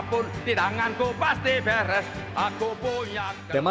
ketika di kota kota